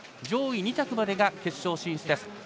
上位２着までが決勝進出です。